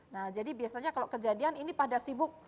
nah jadi biasanya kalau kejadian ini pada sibuk